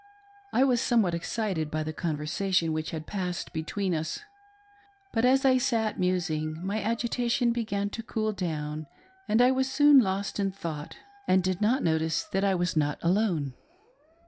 I was somewhat excited by the conversation which had passed between us ; but as I sat musing my agitation began to cool down and I was soon lost in thought and did not notice that I was not alone.